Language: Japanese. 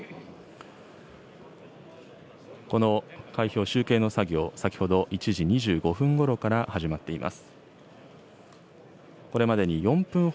この開票、集計の作業、先ほど１時２５分ごろから始まっています。